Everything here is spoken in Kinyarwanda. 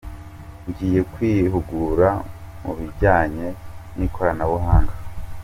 Ngiye kwihugura mubijyanye n'ikoranabuhanga